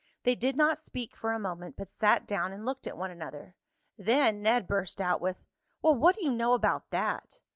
They did not speak for a moment, but sat down and looked at one another. Then Ned burst out with: "Well, what do you know about that?"